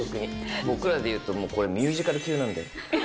僕らで言うと、これ、ミュージカル級なんで。